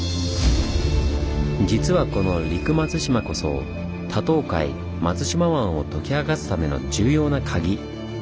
実はこの「陸松島」こそ多島海松島湾を解き明かすための重要なカギ。